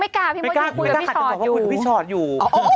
ไม่กล้าขัดจะบอกว่าคุยกับพี่ชอตอยู่